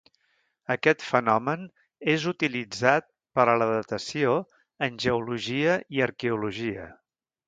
Aquest fenomen és utilitzat per a la datació en geologia i arqueologia.